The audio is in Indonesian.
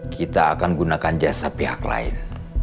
kita akan gunakan jasa pihak lain